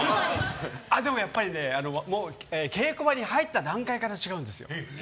やっぱり稽古場に入った段階から違うんですよ。